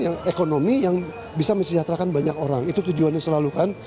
yang ekonomi yang bisa mesejahterakan banyak orang itu tujuannya selalu kan